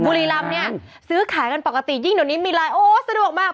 บุรีรำเนี่ยซื้อขายกันปกติยิ่งเดี๋ยวนี้มีไลน์โอ้สะดวกมาก